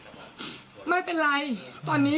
หนูก็พูดอย่างงี้หนูก็พูดอย่างงี้